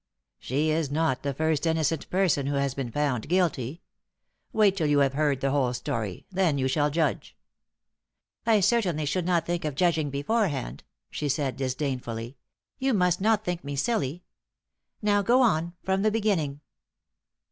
"She is not the first innocent person who has been found guilty. Wait till you have heard the whole story, then you shall judge." "I certainly should not think of judging beforehand," she said, disdainfully. "You must not think me silly. Now go on from the very beginning."